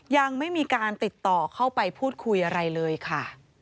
ยังไม่มีการติดต่อเข้าไปพูดคุยอะไรเลยค่ะ